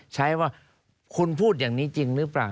ใช้ว่าคุณพูดอย่างนี้จริงหรือเปล่า